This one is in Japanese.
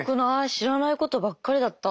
知らないことばっかりだった。